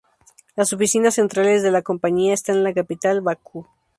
Las oficinas centrales de la compañía están en la capital, Bakú.